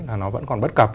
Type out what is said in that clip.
nó vẫn còn bất cập